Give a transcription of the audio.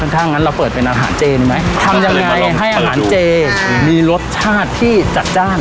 ถ้างั้นเราเปิดเป็นอาหารเจดีไหมทำยังไงให้อาหารเจมีรสชาติที่จัดจ้าน